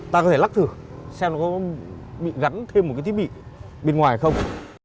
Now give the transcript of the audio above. ta có thể lắc thử xem nó có bị gắn thêm một cái thiết bị bên ngoài hay không